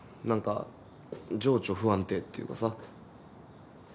何か情緒不安定っていうかさ。